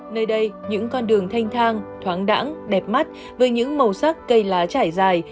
nơi đây những con đường thanh thang thoáng đẳng đẹp mắt với những màu sắc cây lá trải dài